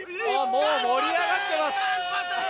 もう盛り上がってます。